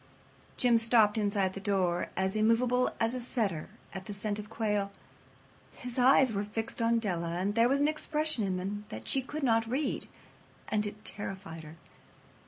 Jim stopped inside the door, as immovable as a setter at the scent of quail. His eyes were fixed upon Della, and there was an expression in them that she could not read, and it terrified her.